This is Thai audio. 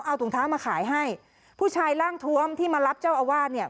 เอาถุงเท้ามาขายให้ผู้ชายร่างทวมที่มารับเจ้าอาวาสเนี่ย